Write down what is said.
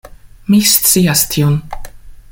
Mi scias tion.